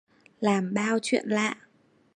Làm bao chuyện lạ